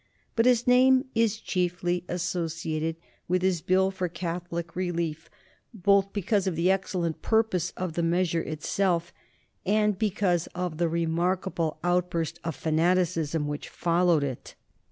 But his name is chiefly associated with his Bill for Catholic Relief, both because of the excellent purpose of the measure itself, and because of the remarkable outburst of fanaticism which followed it.